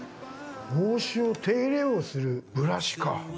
帽子を手入れをするブラシか。